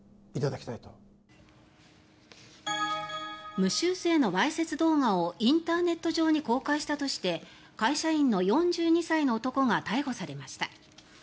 無修正のわいせつ動画をインターネット上に公開したとして会社員の４２歳の男が逮捕されました。